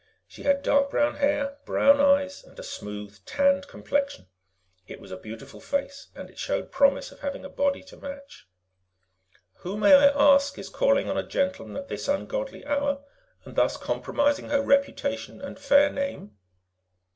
She had dark brown hair, brown eyes, and a smooth, tanned complexion. It was a beautiful face, and it showed promise of having a body to match. "Who, may I ask, is calling on a gentleman at this ungodly hour, and thus compromising her reputation and fair name?"